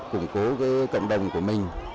củng cố cộng đồng của mình